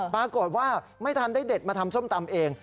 ปรากฏว่าไม่ทันได้เด็ดมาทำส้มตำเอง